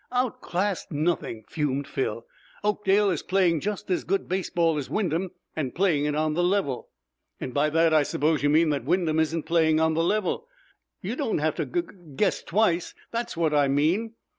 "Outclassed nothing!" fumed Phil. "Oakdale is playing just as good baseball as Wyndham and playing it on the level." "And by that I suppose you mean that Wyndham isn't playing on the level?" "You don't have to gug guess twice; that's what I mean."